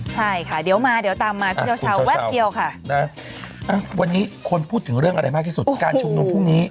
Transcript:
ใช่ค่ะเดี๋ยวมาเดี๋ยวตามมาเที่ยวเช้าแวบเดียวค่ะนะวันนี้คนพูดถึงเรื่องอะไรมากที่สุดการชุมนุมพรุ่งนี้